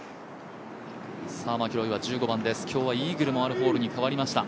マキロイは１５番です、今日はイーグルもあるホールに変わりました。